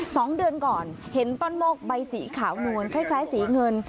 สองเดือนก่อนเห็นต้นโมกใบสีขาวนวลคล้ายคล้ายสีเงิน